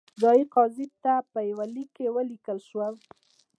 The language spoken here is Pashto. ځايي قاضي ته په یوه لیک کې ولیکل شول.